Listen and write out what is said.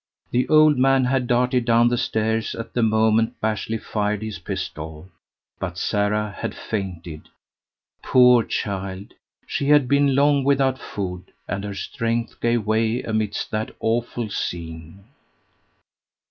The old man had darted down the stairs at the moment Bashley fired his pistol; but Sara had fainted. Poor child, she had been long without food, and her strength gave way amidst that awful scene.